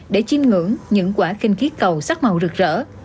để chinh ngưỡng những quả khinh khí cầu sắc màu rực rỡ